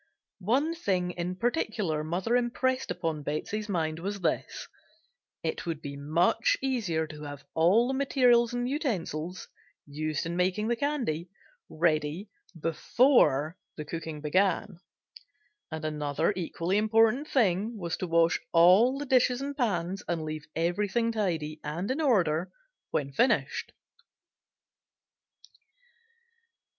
One thing in particular mother impressed upon Betsey's mind was this: it would be much easier to have all the materials and utensils, used in making the candy, ready, before the cooking began; and another equally important thing was to wash all the dishes and pans and leave everything tidy and in order when finished.